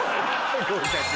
合格。